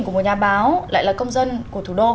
của một nhà báo lại là công dân của thủ đô